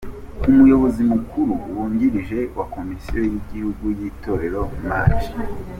Umuyobozi mukuru wungirije wa Komisiyo y’igihugu y’Itorero Maj.